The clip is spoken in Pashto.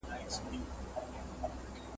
او څومره چي تا ځوروي